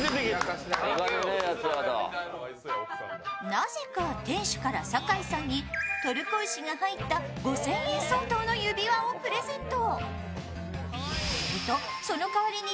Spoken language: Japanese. なぜか店主から酒井さんに、トルコ石が入った５０００円相当の指輪をプレゼント。